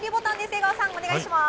江川さん、お願いします。